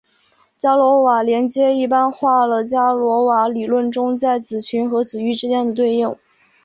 伽罗瓦连接一般化了伽罗瓦理论中在子群和子域之间的对应。